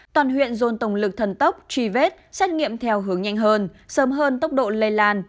toàn huyện dồn tổng lực thần tốc truy vết xét nghiệm theo hướng nhanh hơn sớm hơn tốc độ lây lan